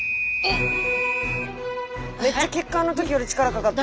めっちゃ血管の時より力かかってる。